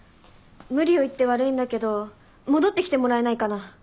無理を言って悪いんだけど戻ってきてもらえないかな。